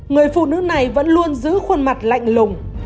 người phụ nữ này vẫn luôn giữ khuôn mặt lạnh lùng